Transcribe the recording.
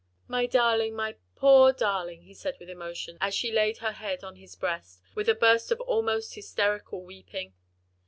"My darling, my poor darling!" he said with emotion, as she laid her head on his breast, with a burst of almost hysterical weeping.